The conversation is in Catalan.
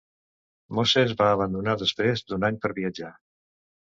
Moses va abandonar després d'un any per viatjar.